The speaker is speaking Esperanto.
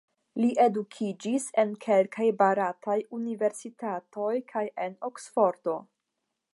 Li edukiĝis en kelkaj barataj universitatoj kaj en Oksfordo.